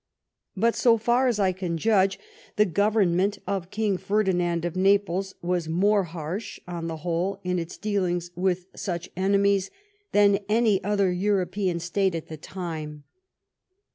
But, so far as I can judge, the gov THE NEAPOLITAN LETTERS 131 ernment of King Ferdinand of Naples was more harsh, on the whole, in its dealings with such enemies than any other European State at the time.